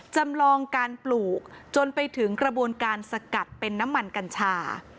จำลองการปลูกจนไปถึงกระบวนการสกัดเป็นน้ำมันกัญชา